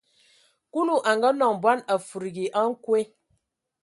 Kulu a ngaanɔŋ bɔn, a fudigi a nkwe.